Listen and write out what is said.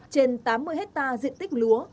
trên tám mươi hectare diện tích lúa